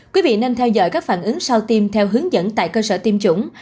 quý vị nên theo dõi các phản ứng sau tiêm theo hướng dẫn tại cơ sở tiêm chủng